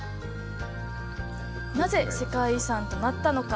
なぜ世界遺産となったのか？